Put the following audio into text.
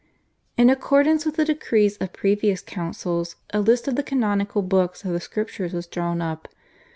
In accordance with the decrees of previous councils a list of the canonical books of the Scriptures was drawn up.